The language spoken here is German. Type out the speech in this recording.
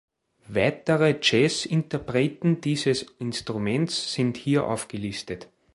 Weitere Jazz-Interpreten dieses Instruments sind hier aufgelistet.